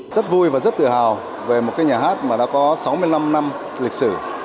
rất vui và rất tự hào về một nhà hát đã có sáu mươi năm năm lịch sử